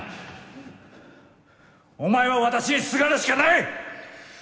お前は私にすがるしかない！